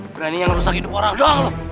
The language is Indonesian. berani yang ngerusak hidup orang doang lo